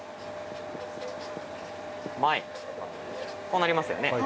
こうなりますよね。